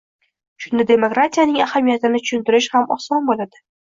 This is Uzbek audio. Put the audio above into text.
Shunda demokratiyaning ahamiyatini tushuntirish ham oson bo‘ladi.